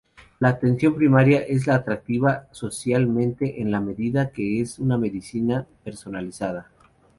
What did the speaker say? La atención primaria es atractiva socialmente en la medida que es una medicina personalizada.